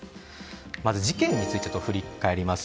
まず、事件について振り返ります。